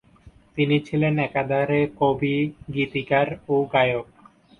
তিনি ছিলেন একাধারে কবি, গীতিকার ও গায়ক।